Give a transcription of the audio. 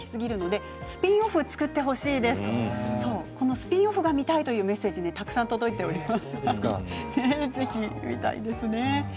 スピンオフが見たいというメッセージたくさん届いています。